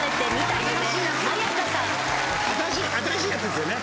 新しいやつですよね。